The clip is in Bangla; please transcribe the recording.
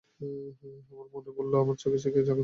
আমার মন বললে, আমারই চোখের শিখায় এই আগুন ধরিয়ে দিলে।